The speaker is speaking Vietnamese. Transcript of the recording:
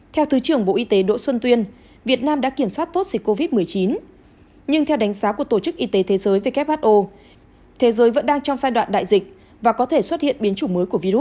theo thứ trưởng bộ y tế đỗ xuân tuyên việt nam đã kiểm soát ca mắc covid một mươi chín mới ghi nhận tám trăm ba mươi bảy ca cộng đồng và sáu trăm ba mươi bảy ca đã cách ly